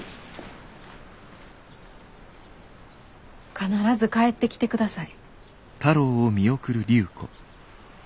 必ず帰ってきてください。